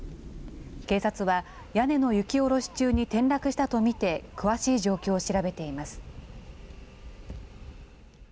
警察は屋根の雪下ろし中に転落したと見て、詳しい状況を調べています。